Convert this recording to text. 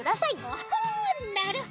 ほほうなるほど。